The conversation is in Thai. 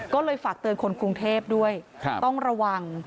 ก็เลยฝากเตือนคนกรุงเทพด้วยต้องระวัง